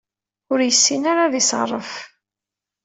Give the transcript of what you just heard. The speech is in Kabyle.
Ur yessin ara ad iṣeffer.